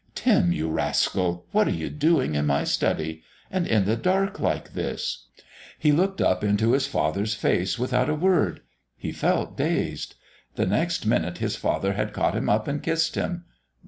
"Tim, you rascal! What are you doing in my study? And in the dark, like this!" He looked up into his father's face without a word. He felt dazed. The next minute his father had caught him up and kissed him.